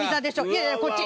「いやいやこっち」。